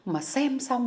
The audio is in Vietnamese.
mà xem xong